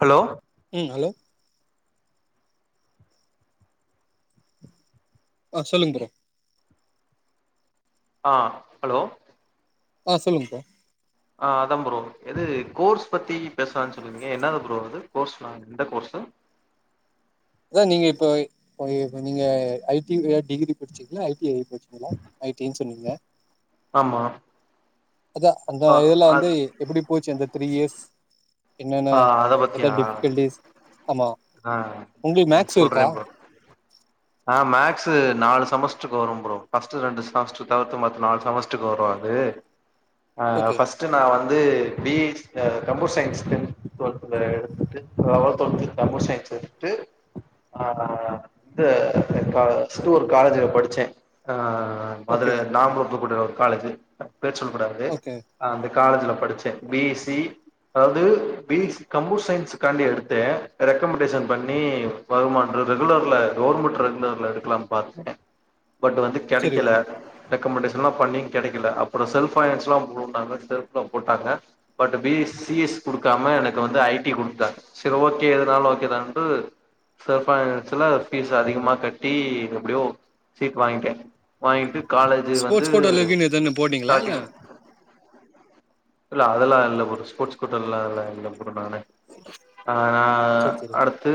Hello ம் hello ஆ சொல்லுங் ப்ரோ ஆ ஹலோ ஆ சொல்லுங் ப்ரோ ஆ அதா ப்ரோ எது கோர்ஸ் பத்தி பேசலான் சொல்லிருந்திங்க என்னது ப்ரோ அது கோர்ஸ்ல்லா எந்த கோர்ஷு அதா நீங்க இப்ப [unintelligible] இப்ப நீங்க ஐ டி ங்கற டிகிரி படிச்சிங்ளா ஐ டி ஐ படிச்சிங்களா ஐ டி ன் சொன்னிங்ல்ல ஆமா அதா அந்த ஆ இதுல அது வந்து எப்டி போச்சு அந்த த்ரீ இயர்ஸ் என்னென்ன ஆ அத எதா பத்தியா டிஃபிகல்டிஸ் ஆமா ஆ உங்களுக்கு அ மேக்ஸ் சொல்றே இருக்கா ப்ரோ ஆ மேக்ஸு நாலு செமஸ்டருக்கு வரும் ப்ரோ ஃபஸ்ட்டு ரெண்டு செமஸ்டர் தவர்த்து மத்த நாலு செமஸ்டருக்கு வரு அது [inaudible] [unintelligible] ஆ ஃபஸ்ட் ஃபஸ்டு நா வந்து பிஜ்ல கம்ப்யூட்டர் சயின்ஸ் டென்த் டுவல்த்தில எடுத்துட்டு லெவன் டுவெல்த்து கம்ப்யூட்டர் சயின்சு எடுத்துட்டு அ இந்த க பஸ்ட்டு ஒன் காலேஜ்ல படிச்சே ஆ மதுர ஓகே நாம் [unintelligible] ஒரு காலேஜு பேர் சொல் கூடாது ஓகே அந்த காலேஜ்ல படிச்சே பி எஸ் சி அதால்து பி எஸ் சி கம்ப்யூட்டர் சயின்ஸ்க்காண்டி எடுத்தே ரெக்கமெண்டேசன் பண்ணி வருமான்றது ரெகுலர்ல கவர்மெண்ட் ரெகுலர்ல எடுக்லாம் பாத்தே பட் வந்து சரி கெடைக்கல ப்ரோ ரெக்கமெண்டேஷன்ல்லா பண்ணி கெடைக்கல அப்றோ செல்ஃப் பைனான்ஸ்ல்லா போடுனாங்க செல்ஃப்ல போட்டாங்க but B S C S குடுக்காம எனக்கு வந்து ஐ டி குடுத்துட்டாங்க செரி ஓ கே எதுனாலு ஓகே தான்ட்டு செல்ஃப் பைனான்ஸ்ல ஃபீஸ் அதிகமா கட்டி எப்டியோ சீட் வாங்கிட்டே வாங்கிட்டு காலேஜு வந்து ஸ்போர்ட்ஸ் கோட்டால இருக்குன்னு எதுன்னு போட்டீங்களா இல்ல ஸ்டாடிங் இல்ல அதெல்லா இல்ல ப்ரோ ஸ்போர்ட்ஸ் கோட்டாலலா இல்ல ப்ரோ நானு ஆ சரி சரி ப்ரோ அடுத்து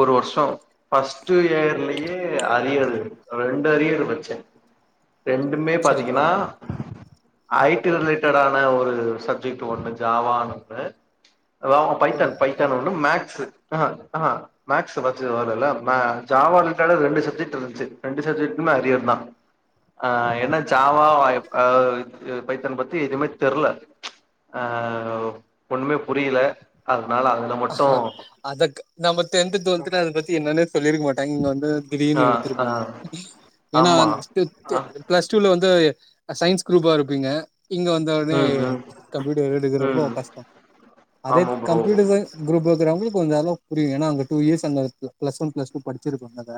ஒரு வர்ஷோ ஃபஸ்ட் இயர்லயே அரியரு ரெண்டு அரியர் வெச்சே ரெண்டுமே சரி ப்ரோ பாத்தீங்கன்னா ஐ டி ரிலேட்டடான ஒரு சப்ஜெக்ட் ஒண்ணு ஜாவானு ஒன்னு அதில்லாம பைத்தான் ஒன்னு ஆ பைத்தான் ஒன்னு மேக்ஸ் அஹ அஹ மேக்ஸ் ஃபர்ஸ்ட் வரல ஜாவா ரிலேட்டடா ரெண்டு சப்ஜெக்ட்டிருந்துச்சு ரெண்டு சப்ஜெக்டுமே அரியர் தா ஆ என்ன ஜாவா ஆ பைத்தன் பத்தி எதுமே தெரில ஆ ஒண்ணுமே புரியல அதனால அ அதக் நம்ம டென்த்து டுவெல்த்ன்னா அத பத்தி என்னன்னே சொல்லிருக்க மாட்டாங்க இங்க வந்து ஆ திடீர்னு ஆ எடுத்திருப்பாங்க ஏன்னா ஆமா ஆ பிளஸ் டூல வந்து சயின்ஸ் குரூப்பா இருப்பீங்க இங்க வந் த்தவுடனே ம் ம் கம்ப்யூட்டர் எடுக்கறப்போ ம் கஷ்டம் அதே ஆமா ப்ரோ கம்ப்யூட்டர் சய்ன்ஸ் குரூப்ல இருக்குறவங்களுக்கு கொஞ்சோ அளவு புரியு ஏன்னா அங்க டூ இயர்ஸ் அங்க ப்ளஸ்ஸ ஒன் ப்ளஸ் டூ படிச்சிருக்காங்கல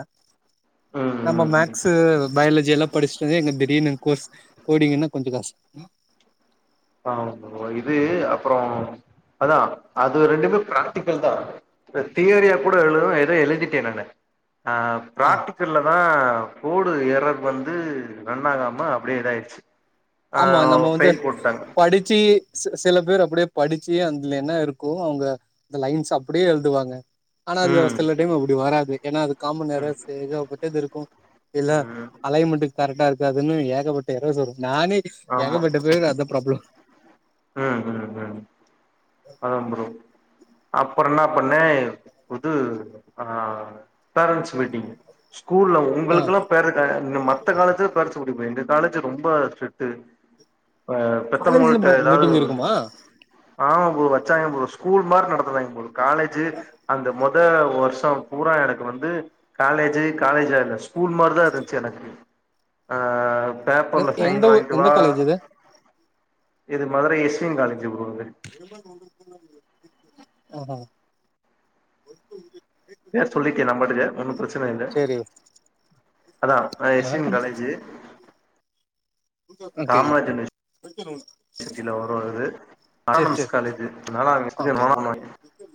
ம் நம்ம ம் ம் மேக்ஸ்ஸு பயாலஜிலா படிச்சதே இங்க திடீர்னு கோர்ஸ் கோடிங்ன்னா கொஞ்சோ காசு ஆ இது அப்புறோ அதா அது ரெண்டுமே பிராக்டிகல் தா தியரிய கூட எழுத ஏதோ எழுதிட்டே நானு ஆ ஆஹ் பிராக்டிக்கல்ல தா கோடு எறர் வந்து ரன் ஆகாம அப்டியே இதாயிடுச்சு ஆ ஆமா நம்ம வந்து ஃபெயில் போட்டாங்க படிச்சு ச சில பேர் அப்டியே படிச்சி அதுல என்ன இருக்கோ அவுங்க அந்த லைன்ஸ் அப்டியே எழுதுவாங்க ஆனா அது ம் சில டைம் அப்டி வராது ஏன்னா அது காமன் ம் எரர்ஸ் எகபட்டது இருக்கு இல்ல ம் அலைன்மெண்ட் கரெக்டா இருக் அதுன்னு ஏகப்பட்ட ஏறர்ஸ் வரும் நானே ஏகப்பட்ட பேர் அந்த ப்ராப்ளம் உம் உம் உம் அதாம் ப்ரோ அப்புறோ என்ன பண்ணே இது ஆ பேரண்ட்ஸ் மீட்டிங் ஸ்கூல்ல ஆ உங்களுக்கெல்லா பேரண்ட் அ மத்த காலேஜ்ல பேரண்ட்ஸ் கூட்டிட் போ எங்க காலேஜ் ரொம்ப ஸ்ட்ரிட்டு ஆ காலேஜ்ல பெத்தவுங்கள்ட்ட மே ஏதாவது மீட்டிங் இருக்குமா ஆமா ப்ரோ வச்சாங்க ப்ரோ ஸ்கூல் மாரி நடத்துனாங்க காலேஜ் அந்த மொத வருஷம் பூரா எனக்கு வந்து காலேஜி காலேஜா இல்ல ஸ்கூல் மாரிதா இருந்துச்சு எனக்கு ஆ எ பேப்பர்ல சைன் எந்த ஊ வாங்கிட்டு எந்த வா காலேஜ் இது இது மதுரை எஸ்விங் காலேஜ் ப்ரோ அது ஆஹா பேர் சொல்லிட்டே நா பாட்டுக்கு ஒன்னும் பிரச்சன இல்ல சேரி அதான் நா ஆ எஸ்வின் காலேஜி ஓகே காமராஜர் ம் [unintelligible] சேரி ஓகே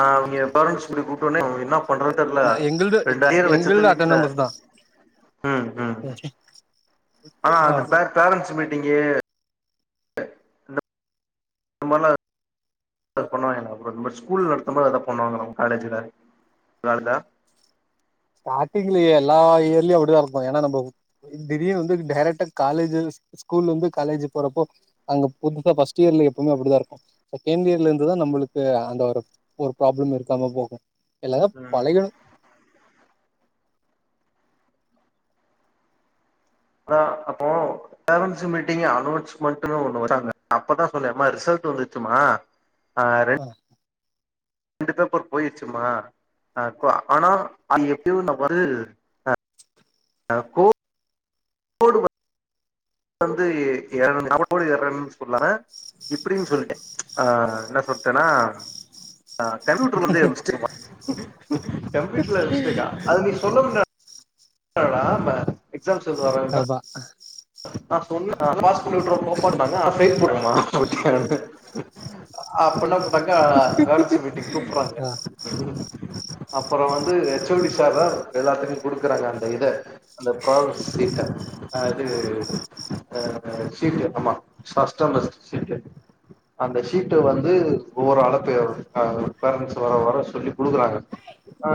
ஆ அவிங்க பேரண்ட்ஸ் கூட்டனே அவுங்க என்ன பண்றன் தெரில நா எங்கள்து எ ரெண்டு அரியர் வச்சது எங்கள்து வீட்ல அட்டானமஸ் தா உம் உம் [inaudible] அந்த பேர் பேரண்ட்ஸ் மீட்டிங்கு மல்ல பண்ணுவாங்களா அப்புறோ அ இந்த மாதிரி ஸ்கூல் நடத்தும் மாதிரது அதுதா பண்ணுவாங்க நம்ம காலேஜ்ல காஜா ஸ்டாடிங்ல எல்லா இயர்லயு அப்டிதா இருப்போ ஏனா நம்ம திடீர்னு வந்து டைரெக்ட்டா காலேஜ் ஸ்கூல் வந்து காலேஜி போறப்போ அங்க புதுசா ஃபர்ஸ்ட் இயர்ல எப்பவுமே அப்டிதா இருக்கு செகண்ட் இயர்ல இருந்து தா நம்மளுக்கு அந்த ஒரு ஒரு ப்ராப்ளம் இருக்காம போகும் எல்லாதா ம் பழகிடும் ஆனா அப்போ பேரண்ட்ஸ் மீட்டிங் அனௌன்ஸ்மெண்ட்டுனு ஒண்ணு வச்சாங்க அப்பதா சொன்ன அம்மா ரிசல்ட் வந்துச்சுமா ஆ ரெண் ஆ ரெண்டு பேப்பர் போயிருச்சுமா அப்போ ஆனா அது எப்பயோ நா வரு ஆ கோ போடுவ அதாவது [inaudible] சொல்லாம இப்புடின் சொல்லிட்டே ஆ என்ன சொல்ட்டேன்னா ஆ கம்ப்யூட்டர்ல வந்து மிஸ்டேக்கா கம்யூட்டர்ல மிஸ்டேக்கா அது நீ சொல்ல வந்த ஆமா எக்ஸாம்ஸ் எழுத வறப்ப அ நா சொன்னே அதுதா பாஸ் பண்ணி விட்ருவோ போப்பான்டாங்க ஆனா ஃபெயில் போட்டு [unintelligible] அப்பல்லா [unintelligible] பேரன்ஸ்சு மீட்டிங் கூப்புட்ராங்க ஆ அப்பறோ வந்து கெச்சோடி சார் தா எல்லாத்துக்கு குடுக்குறாங்க அந்த இத அந்த ப்ராக்ரஸ் சீட்ட அது அ சீட்டு ஆமா ஃபர்ஸ்ட் செமஸ்டர் சீட்டு அந்த சீட்ட வந்து ஒவ்வொரு ஆளா பே பேரன்ட்ஸ்சு வர வர சொல்லி குடுக்குறாங்க ஆ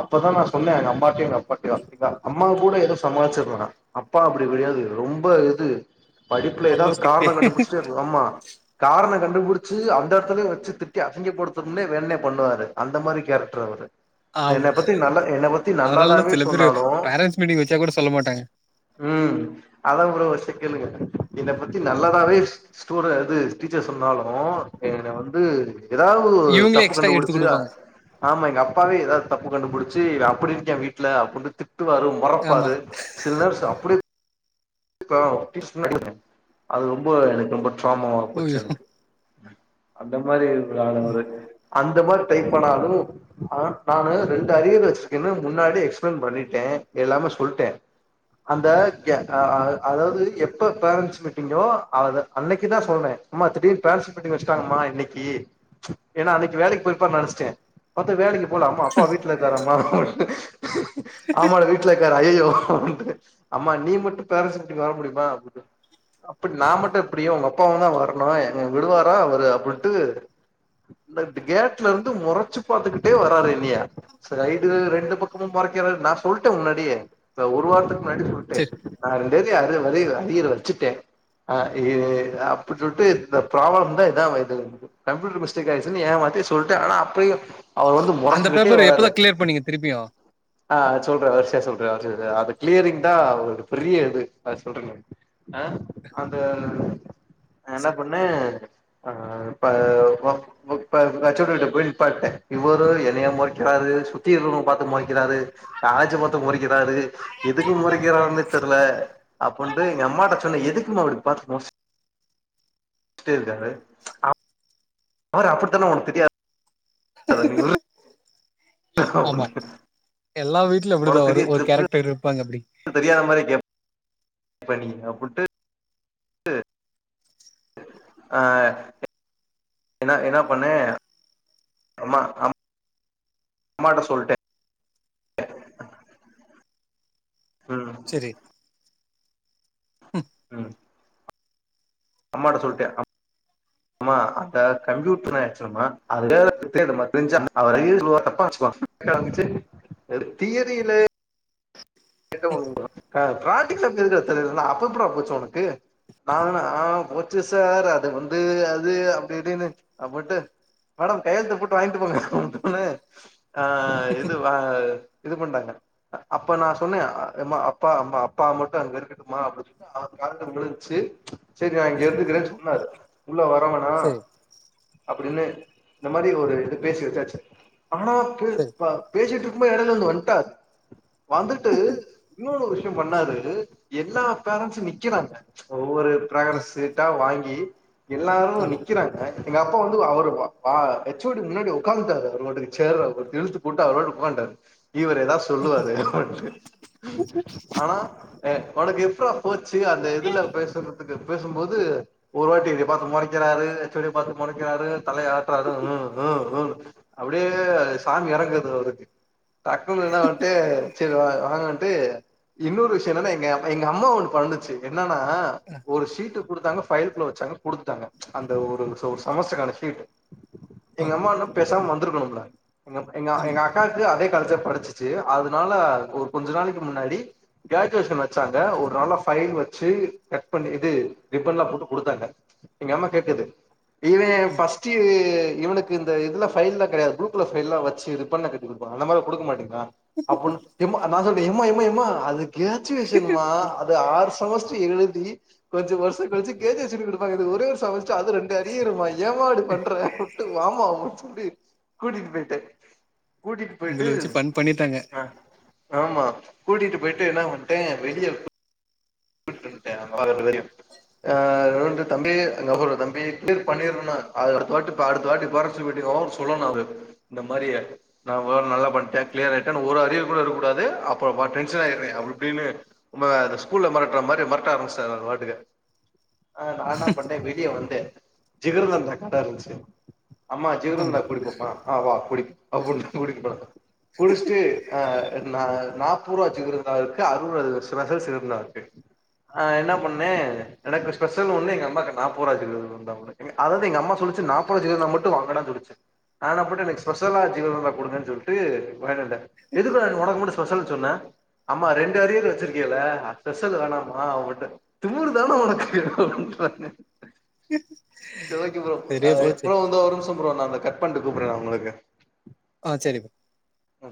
அப்பதா நா சொன்னே எங்க அம்மாடையு எங்க அப்பாடையு செரிங்ளா அம்மா கூட எதோ சமாளிச்சுருவே நா அப்பா அப்டி கெடையாது ரொம்ப இது படிப்புல ரொம்ப எதாவது ஸ்ட்ரிக்ட்டு காரணோ கண்டுபுடுச்ட்டா இப்ப ஆமா காரணோ கண்டுபிடிச்சு அந்த எடத்துல வச்சு திட்டி அசிங்க படுத்தனுனே வேன்னே பண்ணுவாரு அந்த மாரி கேரக்டர் அவர் ஆமா என்ன பத்தி நல்ல என்ன பத்தி நல்லாதாவே சொன்னாலு மீடிங் வச்சா கூட சொல்ல மாட்டாங்க அது அவ்ளோ ஒரு சிக்கலுங்க இத பத்தி நல்லதாவே இஸ் ஸ்கூல அது டீச்சர் சொன்னாலு என்ன வந்து ஏதாவுது ஒரு இவங்களே தப்பு எக்ஸ்ட்ரா எடுத்து கண்டுபுடுச்சு அ குடுப்பாங்க ஆமா எங்க அப்பாவே எதாவது தப்பு கண்டுபுடுச்சு இவே அப்புடி இருக்கா வீட்ல அப்டினு திட்டுவாரு ஆமா மொறப்பாரு சில்லர்ஸ் அப்புடி இரு ப்பா [inaudible] அது ரொம்ப எனக்கு ரொம்ப ட்ராமாவா போச்சு ஐயோ அந்த மாரி உள்ள ஆளு ம் அவரு அந்த மாரி ஒரு டைப்பானாலு ஆ நானு ரெண்டு அரியர் வச்சுருக்கேன்னு முன்னாடி எக்ஸ்பிளன் பண்ணிடே எல்லாமே சொல்டே அந்தக் கே ஆ அ அதாவது எப்ப பேரன்ட்ஸ் மீட்டிங்கோ அத அன்னைக்கு தா சொல்றேன் அம்மா திடீர்னு பேரன்ட்ஸ் மீட்டிங் வச்சுடாங்கமா இன்னைக்கி ஏன்னா அன்னைக்கி வேலைக்கி போயிருப்பான் நெனச்சுட்டே பாத்தா வேலைக்கி போல அம்மா அப்பா வீட்டுல இருக்கார அம்மா ஆமாட வீட் ட்ல இருக்காரு ஐய்யய்யோ அம்மா நீ மட்டு பேரன்ட்ஸ் மீட்டிங் வர முடியுமா அப்புட் நா மட்டு எப்புடி உங்க அப்பாவுந்தா வரணு என்னைய விடுவாரா அவரு அப்புன்ட்டு இந்த கேட்ல இருந்து மொறச்சு பாத்துக்கிட்டே வராரு என்னியா சைடு ரெண்டு பக்கமும் மொறக்கிறாரு நா சொல்ட்டே முன்னாடியே ஒரு வாரத்துக்கு முன்னாடி சொல்டே சரி நா ரெண்டே அரியர் அரியர் அரியரு வச்சுட்டே அரியர் அப்புடி சொல்ட்டு இந்த ப்ராப்ளம் தா இதா வைய்து கம்ப்யூட்டர் மிஸ்டேக் ஆயிச்சுன்னு ஏமாத்தி சொல்ட்டே ஆ ஆனா அப்பையு அவரு வந்து அந்த மொறச்சுக்கிட்டே பேப்பர் எப்பதா வராரு கிளியர் பண்ணீங்க திருப்பியு ஆ சொல்றே வருசையா சொல்றே வருசையா சொல் அந்த க்ளியரிங் தா ஒரு பெரிய இது அ சொல்றங்க ஆ அந்த நா என்ன பண் ணே ஆ இப்ப போ ப்ப இவர ஹச் ஓடிட்ட போயி நிப்பாட்டிட்டே இவரு என்னைய மொறக்கிறாரு சுத்தி இருக்குறவுங்கள பாத்து மொறக்கிறாரு. காலேஜ்ஜ பாத்து மொறக்கிறாரு எதுக்கு மொறக்கிறாருன்னே தெர்ல அப்புன்டு எங்க அம்மாட்ட சொன்னே எதுக்கும்மா இவரு இப்ப பாத்து மொறச்சுட்டே இருக்காரு அவரு அப்புடித்தான உனக்கு தெரியாது க் கு கூ ஆமா எல்லா வீட்லு அப்படிதா உனக்கு வரு தெரிய ஒரு கேரக்டர் இருப்பாங்க அப்டி தெரியாத மாரியே கேப் பணி அப்புன்ட்டு எ ஆ எனா எனா பண்னே அம்மா அம் அம்மாட்ட சொல்ட்டே ம் ச்செரி உம் அம்மாட்ட சொல்ட்டேன் அம் அம்மா அந்த கம்ப்யூட்டர் ஆச்சுல மா அத வேலத்துதே [unintelligible] தப்பா வச்சுவா இர் தியரிலே க ட்ராத்திக் சப் எதுக்குடா [unintelligible] அப்ப எப்புடா போச்சு உனக்கு நானு ஆ போச்சு சார் அது வந்து அது அப்டி இப்டின்னு அபட்டு மேடம் கையெழுத்து போட்டு வாய்ன்ட்டு போங்கு [unintelligible] ஆ இதுவா இது பண்ட்டாங்க அப்ப நாஸ் சொன்னெயா எம்மா அப்பா அம்மா அப்பா மட்டு அங்க இருக்கட்டுமா அப்டி [inaudible] கால விழுன்ச்சு சரியா இங்கிருந்து கிறேன் சொன்னாரு உள்ள வரவனா சரி அப்படின்னு இந்த மாதி ஒரு இது பேசி வெச்சாச்சு ஆனா பே சரி பா பேசிட்டு திம்ப எடைல வந்து வந்ட்டாது வந்துட் இன்னொறு விஷ்யம் பண்ணாரு எல்லா பேரண்ஸு நிக்கிறாங்க ஒவ்வொரு ஆ பிராரஸ் சீட்டா வாங்கி எல்லாரு ஆமா நிக்கிறாங்க எங்க அப்பா வந்து அவரு வா வா எச்சோடி முன்னாடி ஒக்காந்துட்டாரு அவரு பாட்டுக்கு சேர்ற அவர் இழுத்து போட்டு அவர் பாட்டுக்கு உக்காந்ட்டார் இவரு ஏதாவ் சொல்லுவாரு அப்பன்ட்டே ஆனா எ உனக்கு எப்ரா போச்சு அந்த இதுல பேசுறத்துக்கு பேசும்போது ஒருவாட்டி என்ய பாத்து மொறைக்கிறாரு ஹெச் ஒ டி பாத்து மொறைக்கிறாரு தலய ஆட்றாரு உ உ உனு அவ்டே சாமி எறங்குது அவ்ருக்கு டக்குன் என்னா வந்ட்டு சர் வா ஆ அ வந்ட்டு இன்னொரு விஷ்ய என்னன்னா எங்க அம் எங்க அம்மா ஒன்னு பண்ணுச்சு என்னானா ஆ ஒரு ஷீட்டு குடுத்தாங்க ஃபயல்க்குள்ள வச்சே குடுத்ட்டாங்க அந்த ஒரு சோ ஒர் செமஸ்டரான ஷீட்டு ஆ எங்க அம்மா எனும் பேசாம வந்துருட்டுணும்டா எங்கப் எங்கா ஆமா எங்கா அக்காக்கு அதே காலேஜ்ல படிச்சிச்சி அதுனால ஒர் கொஞ்ச நாளைக்கு முன்னாடி க்ராஜுவேஷன் வச்சாங்க ஒரு நாள ஃபைல் வச்சி கட் பண்ணி இது ரிப்பன்லா போட்டு குடுத்தாங்க எங்க அம்மா கேக்குது இவே ம் ஃபஸ்ட்யி இவ்னுக் இந்த இதுல ஃபைல்லா கெடையாத் ப்ளூ கலர் ஃபைல்லாம் வச்சி ரிப்பன்ல கட்டி குடுப்பாங்க அந்த மார் குடுக்க மாட்டிங்ளா அப்புன் அ நா சொன்னே எம்மா எம்மா எம்மா அது காஜூவேஷன்மா அத் து ஆறு சமஸ்ட்ரு எழுதி கொஞ்சு வர்ஷ கழ்ச்சி கேஜூவேஷனு எடுப்பாங்க இது ஒரே ஒரு சமஸ் ச்சு அது ரெண்டு அரியிருமா ஏமா இப்டி பண்ற வுட்டு வாமா உ ச்சுடி கூட்டிட்டு போய்ட்டே கூட்டிட்டு உங்கள போய்ட்டு வச்சு ஃபன் பண்ணிட்டாங்க அ ஆமா கூட்டிட்டு போய்ட்டு என்னா வந்ட்டே வெளியவ் விட் வந்ட்டே [inaudible] வெரி குட் அ ரண்டு தம்பி அங்க ஒரு தம்பி க்ளிர் பண்ணிருன்னா அத் அடுத்த வாட்டிப் பா அடுத்த வாட்டி பாறாஸ்டிவ் மீட்டிங் வரு சொல்லணு அவ்ரு இந்த மாரிய நா வு நல்லா படுச்சே க்ளியர் ஆய்ட்டனு ஒரு அரியர் கூட இருக் கூடாது அப்ப பார் டென்ஸன் ஆய்ருவே அப்டு இப்டின்னு ஒம்பதாதஸ் ஸ்கூல்ல மெரட்டுற மாரி மெரட்ட ஆரம்பிச்சிட்டாரு அவரு பாட்டுக்கு நா என்ன பண்ணே வெளிய வந்து ஜிகிருதான்டா கட இருந்துச்சு அம்மா ஆமா ஜிகிருதான்டா குடிப்போமா ஆ அவ அப்படி அவ குடி குடிபோ குடிச்சிட்டு ஆ நா முப்பது ரூவா ஜிகிர்தான்டா இருக்கு அறுபதுக்கு ரூபா ஸ்பெஷல் ஜிகிர்தான்டா ஆ என்ன பண்ணே எனக்கு ஸ்பெஷல் ஒண்ணு எங்க அம்மாக்கு நாப்பது ரூவா ஜிகிர்தான்டா ஒன்னு அதாது எங்க அம்மா சொல்லுச்சு நாப்பது ருவா ஜிகிர்தான்டா மட்டு வாங்குடானு சொல்லுச்சு நா என்ன பண்ட எனக்கு ஸ்பெஷலா ஜிகிர்தான்டா குடுங்கன் சொல்டு வாங்கிட்டு வண்ட எதுக்குடா உனக்கு மட்டு ஸ்பெஷல் சொன்ன அம்மா ரெண்டு அரியர் வச்சிருக்கேல ஸ்பெஷல் வேணாமா அப்டீன்ன திமிரு தான உனக்கு அப்டீன்றாங்க செரி ஓகே ப்ரோ அ சரியா போச்சு ப்ரோ வந்து ஒரு நிமிஷோ ப்ரோ நா அந்த கட் பண்ட்டு கூப்பர்ற நா உங்களுக்கு ஆ செரி ப்ரோ ம்